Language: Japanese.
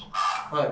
はい。